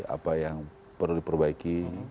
apa yang perlu diperbaiki